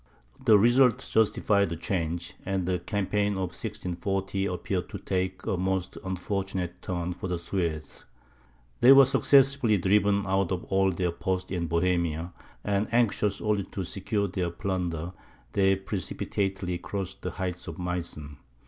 The result justified the change, and the campaign of 1640 appeared to take a most unfortunate turn for the Swedes. They were successively driven out of all their posts in Bohemia, and anxious only to secure their plunder, they precipitately crossed the heights of Meissen.